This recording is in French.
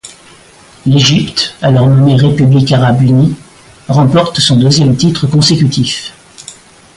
L'Égypte, alors nommée République arabe unie, remporte son deuxième titre consécutif.